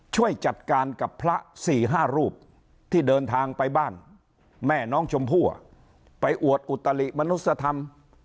ช่วยจัดการกับพระ๔๕รูปที่เดินทางไปบ้านแม่น้องชมพู่ไปอวดอุตลิมนุษยธรรม